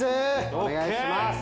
お願いします！